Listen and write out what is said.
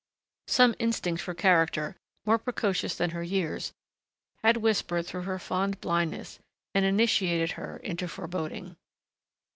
Some instinct for character, more precocious than her years, had whispered through her fond blindness, and initiated her into foreboding.